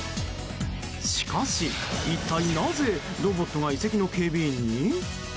しかし、一体なぜロボットが遺跡の警備員に？